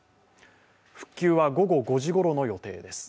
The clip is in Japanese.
復旧は午後５時ごろの予定です。